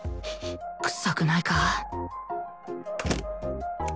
臭くないか